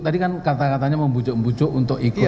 tadi kan kata katanya membujuk membujuk untuk ikut